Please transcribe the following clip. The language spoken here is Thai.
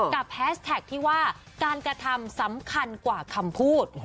แฮสแท็กที่ว่าการกระทำสำคัญกว่าคำพูด